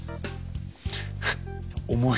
重い。